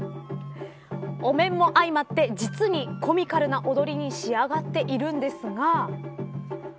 お面も相まって実にコミカルな踊りに仕上がっているんですが。